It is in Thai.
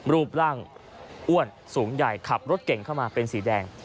รูปร่างอ้วนสูงใหญ่ขับรถเก่งเข้ามาเป็นสีแดง